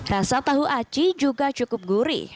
rasa tahu aci juga cukup gurih